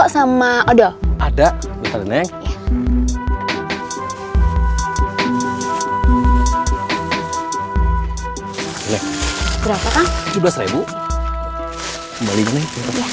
sampai jumpa lagi